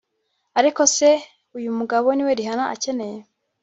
Ariko se uyu mugabo ni we Rihanna akeneye